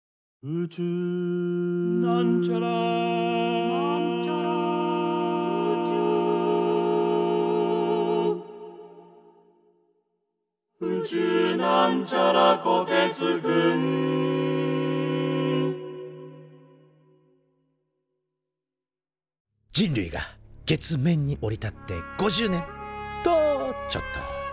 「宇宙」人類が月面に降り立って５０年！とちょっと。